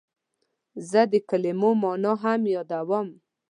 زه د کلمو مانا هم یادوم.